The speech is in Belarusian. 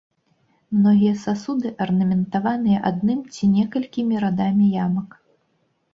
Многія сасуды арнаментаваныя адным ці некалькімі радамі ямак.